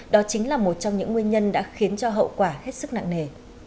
đó chính là một trong những nguyên nhân đã khiến cho hậu quả hết sức nặng nề